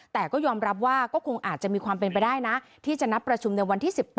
แต่ก็ยอมรับว่าก็คงอาจจะมีความเป็นไปได้นะที่จะนัดประชุมในวันที่๑๘